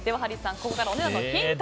ここからお値段のヒント